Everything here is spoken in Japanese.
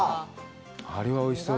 あれはおいしそうだな。